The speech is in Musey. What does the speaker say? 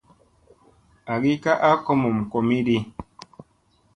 Agi ka a komom komiɗi.